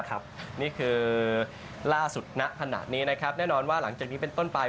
ครับนี่คือล่าสุดมัดอย่างนี้แน่นอนว่าหลังจากนี้เป็นต้นไป